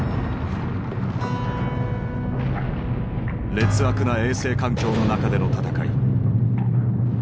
劣悪な衛生環境の中での戦い。